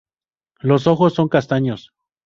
Los ojos son castaños.